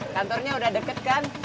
kantornya udah deket kan